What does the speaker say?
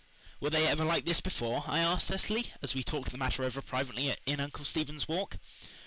"Were they ever like this before?" I asked Cecily, as we talked the matter over privately in Uncle Stephen's Walk.